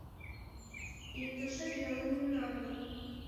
Иктыже веле мемнанлык...